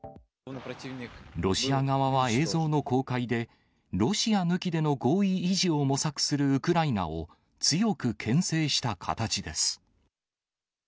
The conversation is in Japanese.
ロシア側は映像の公開で、ロシア抜きでの合意維持を模索するウクライナを強くけん制した形です。